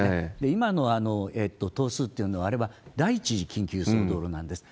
今の棟数というのは、あれは第一次緊急輸送道路なんです。